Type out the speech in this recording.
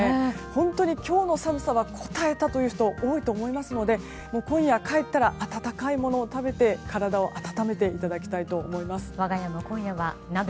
本当に今日の寒さはこたえたという人が多いと思いますので今夜、帰ったら温かいものを食べて体を温めていただきたいと思います。